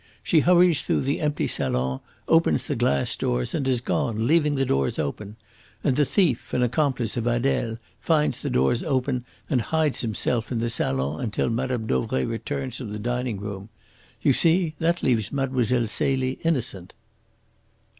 She hurries through the empty salon, opens the glass doors, and is gone, leaving the doors open. And the thief, an accomplice of Adele, finds the doors open and hides himself in the salon until Mme. Dauvray returns from the dining room. You see, that leaves Mlle. Celie innocent."